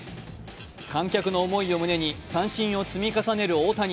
観客の思いを胸に三振を積み重ねる大谷。